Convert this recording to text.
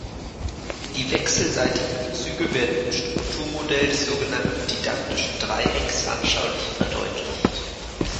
Die wechselseitigen Bezüge werden im Strukturmodell des sogenannten Didaktischen Dreiecks anschaulich verdeutlicht.